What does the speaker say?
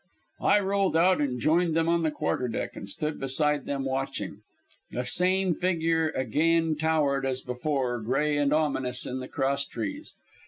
I rolled out and joined them on the quarterdeck and stood beside them watching. The same figure again towered, as before, gray and ominous in the crosstrees.